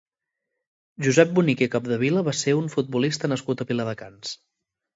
Josep Bonich i Capdevila va ser un futbolista nascut a Viladecans.